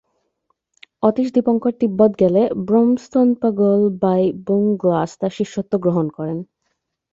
অতীশ দীপঙ্কর তিব্বত গেলে 'ব্রোম-স্তোন-পা-র্গ্যল-বা'ই-'ব্যুং-গ্নাস তার শিষ্যত্ব গ্রহণ করেন।